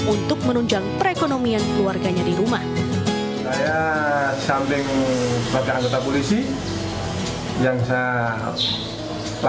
untuk menjual bumbu bumbu aibtu hamim memilih tetap menekuni profesi sampingannya tersebut